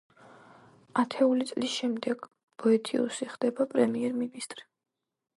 ათეული წლის შემდეგ ბოეთიუსი ხდება პრემიერ-მინისტრი.